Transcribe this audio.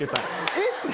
「えっ！